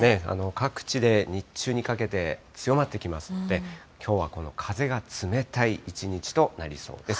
各地で日中にかけて強まってきますので、きょうはこの風が冷たい一日となりそうです。